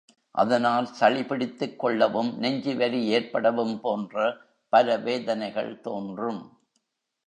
அதனால் சளி பிடித்துக் கொள்ளவும், நெஞ்சு வலி ஏற்படவும் போன்ற பல வேதனைகள் தோன்றும்.